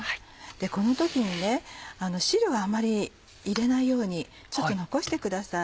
この時に汁をあんまり入れないようにちょっと残してください。